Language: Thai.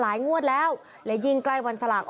งวดแล้วและยิ่งใกล้วันสลาก